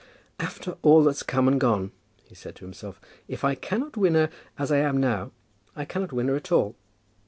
"After all that's come and gone," he said to himself, "if I cannot win her as I am now, I cannot win her at all."